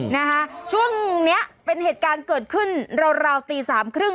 นะคะช่วงเนี้ยเป็นเหตุการณ์เกิดขึ้นราวราวตีสามครึ่ง